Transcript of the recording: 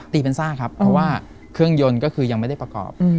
ตีเป็นซากครับเพราะว่าเครื่องยนต์ก็คือยังไม่ได้ประกอบ